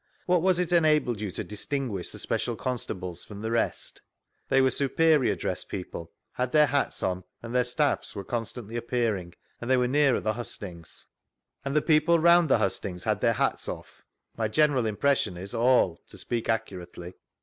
What was it enabled you to distinguish the special constables from the rest? — ^They were superior dressed people, had their hats on, and their staffs were constantly appearing, and they were nearer the hustings. And the people round the hustings had their hats off? — My general impression is, all, to speak accurately.